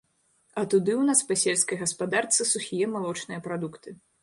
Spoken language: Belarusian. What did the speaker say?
А туды ў нас па сельскай гаспадарцы сухія малочныя прадукты.